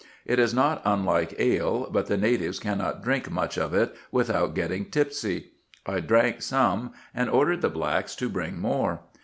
It is not unlike ale, but the natives cannot drink much of it without getting tipsy. I drank some, and ordered the blacks to bring more.